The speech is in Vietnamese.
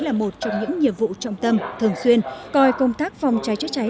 là một trong những nhiệm vụ trọng tâm thường xuyên coi công tác phòng cháy chữa cháy